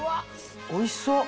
おいしそう！